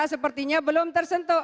sepertinya belum tersentuh